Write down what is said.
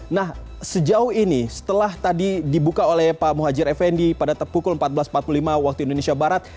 nah sejauh ini setelah tadi dibuka oleh pak muhajir effendi pada pukul empat belas empat puluh lima waktu indonesia barat